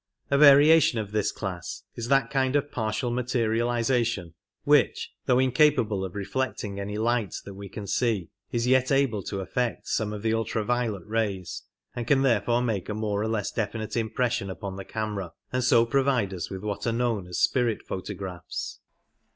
A variation of this class is that kind of partial materializa tion which, though incapable of reflecting any light that we can see, is yet able to aflect some of the ultra violet rays, and can therefore make a more phouSraphs or less definite impression upon the camera, and so provide us with what are known as "spirit photographs".